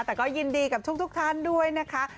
แต่ก็ยินดีกับทุกท่านด้วยนะคะ